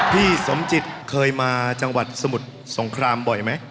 พี่สมจิตเคยมาจังหวัดสมุทรสงครามบ่อยไหม